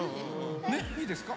ねっいいですか？